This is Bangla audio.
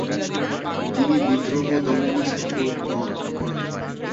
তিনি বিদ্রোহ দমনে সফল হন।